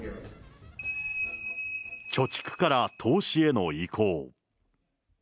貯蓄から投資への移行。